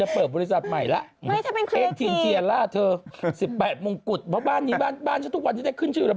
เพราะบ้านนี้บ้านขายทุกวันนี้จะได้ขึ้นชื่อแล้ว